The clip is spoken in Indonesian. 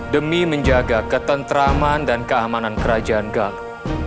demi menjaga ketentraman dan keamanan kerajaan gang